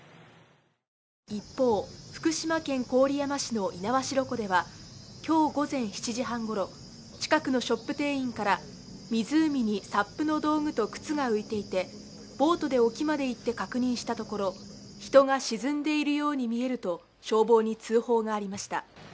一方、福島県郡山市の猪苗代湖では今日午前７時半ごろ、近くのショップ店員から湖にＳＵＰの道具と靴が浮いていて、ボートで沖まで行って確認したところ、人が沈んでいるように見えると消防に通報がありました。